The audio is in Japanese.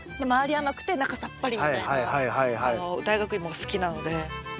甘くて中さっぱりみたいな大学芋が好きなので。